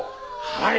はい！